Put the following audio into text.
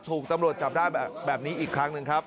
ถูกตำรวจจับได้แบบนี้อีกครั้งหนึ่งครับ